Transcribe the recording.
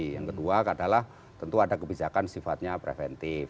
yang kedua adalah tentu ada kebijakan sifatnya preventif